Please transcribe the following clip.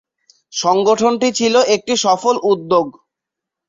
সংগঠনটি ছিল একটি সফল উদ্যোগ।